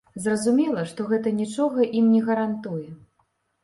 Зразумела, што гэта нічога ім не гарантуе.